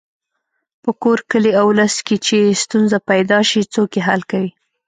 په کور، کلي او ولس کې چې ستونزه پیدا شي څوک یې حل کوي.